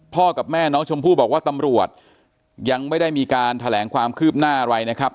กับแม่น้องชมพู่บอกว่าตำรวจยังไม่ได้มีการแถลงความคืบหน้าอะไรนะครับ